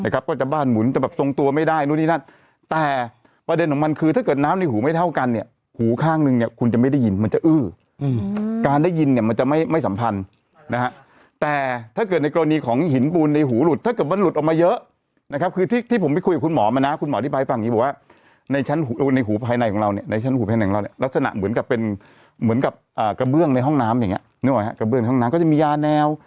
ก็จะบ้านหมุนจะแบบทรงตัวไม่ได้นู่นนี่นั่นแต่ประเด็นของมันคือถ้าเกิดน้ำในหูไม่เท่ากันเนี่ยหูข้างนึงเนี่ยคุณจะไม่ได้ยินมันจะอื้อการได้ยินเนี่ยมันจะไม่สัมพันธ์นะครับแต่ถ้าเกิดในกรณีของหินปูนในหูหลุดถ้าเกิดมันหลุดออกมาเยอะนะครับคือที่ผมไปคุยกับคุณหมอมานะคุณหมออธิบายฟั